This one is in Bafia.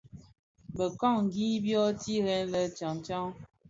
Bekangi byo tired lè tyaň tyaň.